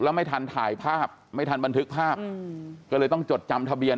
แล้วไม่ทันถ่ายภาพไม่ทันบันทึกภาพก็เลยต้องจดจำทะเบียน